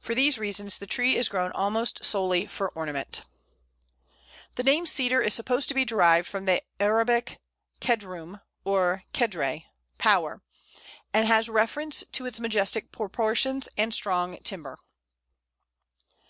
For these reasons the tree is grown almost solely for ornament. The name Cedar is supposed to be derived from the Arabic kedroum, or kèdre (power), and has reference to its majestic proportions and strong timber. [Illustration: Pl. 171. Deodar.